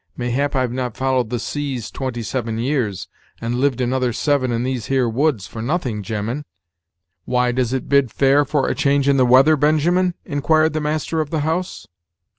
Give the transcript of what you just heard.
Mayhap I've not followed the seas twenty seven years, and lived another seven in these here woods, for nothing, gemmen." "Why, does it bid fair for a change in the weather, Benjamin?" inquired the master of the house.